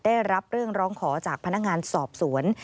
ได้รับเรื่องร้องขอจากพนักงานสอบสวน